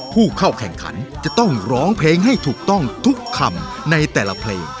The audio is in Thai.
ผู้เข้าแข่งขันจะต้องร้องเพลงให้ถูกต้องทุกคำในแต่ละเพลง